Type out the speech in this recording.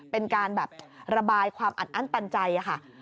เป็นการแบบระบายความอัดอั้นตันใจค่ะ